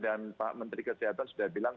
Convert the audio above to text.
dan pak menteri kesehatan sudah bilang